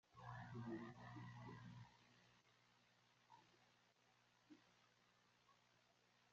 Sirvió de inspiración para el libreto de la ópera homónima de Georges Bizet.